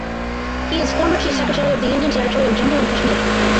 He is former Chief Secretary of the Union Territory of Jammu and Kashmir.